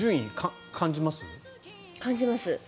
感じます。